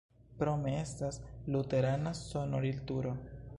Krome estas luterana sonorilturo.